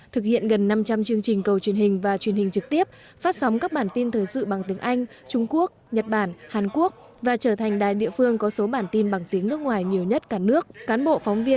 thực hiện gần năm trăm linh chương trình cầu truyền hình và truyền hình trực tiếp phát sóng các bản tin thời sự bằng tiếng anh trung quốc nhật bản hàn quốc và trở thành đài địa phương có số bản tin bằng tiếng nước ngoài